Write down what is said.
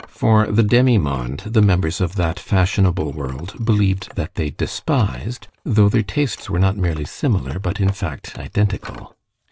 For the demi monde the members of that fashionable world believed that they despised, though their tastes were not merely similar, but in fact identical.